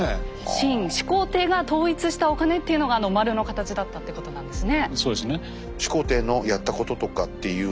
秦始皇帝が統一したお金っていうのが丸の形だったってことなんですね。